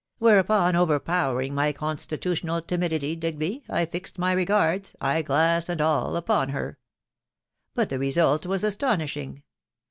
. whereupon, overpowering my constitutional timidity, Digby, I fixed my regards, eye glass and all, upon her ;•... but the result was astonishing